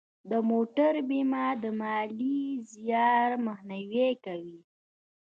د موټر بیمه د مالي زیان مخنیوی کوي.